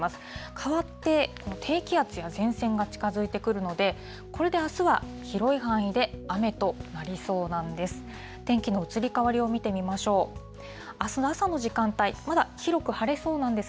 かわって低気圧や前線が近づいてくるので、これであすは広い範囲で雨となりそうなんです。